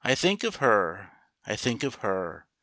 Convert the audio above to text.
THINK of her, I think of her.